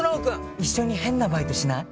一緒に変なバイトしない？